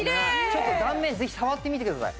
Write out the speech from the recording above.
ちょっと断面ぜひ触ってみてください。